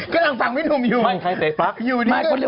ขึ้นหลังฟังวินูมอยู่